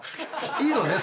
いいのね？